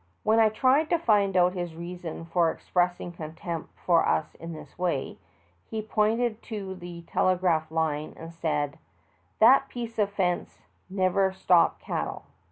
When I tried to find out his reason for express ing contempt for us in this way, he pointed to the telegraph line and said : "That piece of fence never stop cattle."